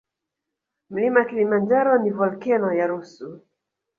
Mlima kilimanjaro ni volkeno ya rusu